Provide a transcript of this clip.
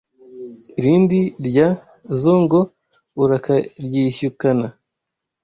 Irindi rya zo ngo urakaryishyukana